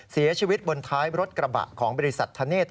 เสียชีวิตบนท้ายรถกระบะของบริษัทธเนธ